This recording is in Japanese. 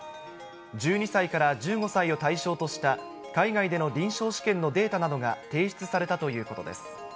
１２歳から１５歳を対象とした海外での臨床試験のデータなどが提出されたということです。